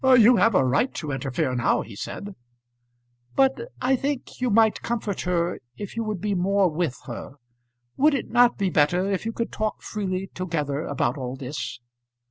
"You have a right to interfere now," he said. "But I think you might comfort her if you would be more with her. Would it not be better if you could talk freely together about all this?"